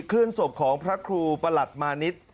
เคลื่อนศพของพระครูประหลัดมานิด